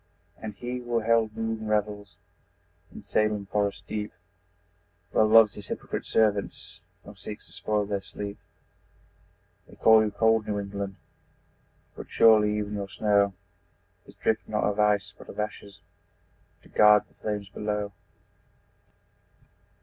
And he who held moon revels In Salem forest deep, Well loves his hypocrite servants Nor seeks to spoil their sleep. They call you cold New England But surely even your snow Is drift not of ice but of ashes, To guard the flames below!